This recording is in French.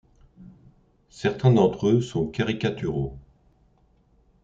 Certains d'entre eux sont caricaturaux.